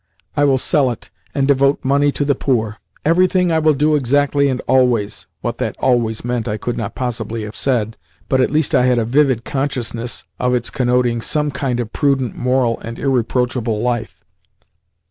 ] I will sell it, and devote the money to the poor. Everything I will do exactly and always" (what that "always" meant I could not possibly have said, but at least I had a vivid consciousness of its connoting some kind of prudent, moral, and irreproachable life).